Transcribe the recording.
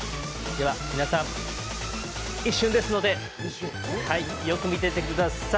では皆さん、一瞬ですのでよく見ててください。